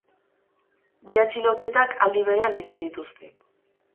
Bi atxiloketak aldi berean egin dituzte.